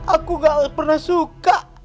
aku gak pernah suka